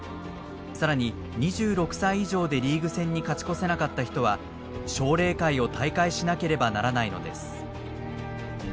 更に２６歳以上でリーグ戦に勝ち越せなかった人は奨励会を退会しなければならないのです。